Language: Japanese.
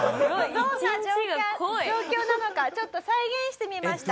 どんな状況なのかちょっと再現してみました。